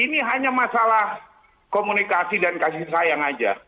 ini hanya masalah komunikasi dan kasih sayang saja